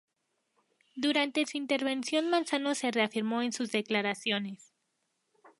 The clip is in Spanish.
Durante su intervención Manzano se reafirmó en sus declaraciones.